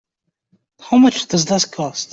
How much does this cost?